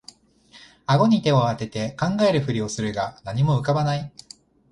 あごに手をあて考えるふりをするが何も浮かばない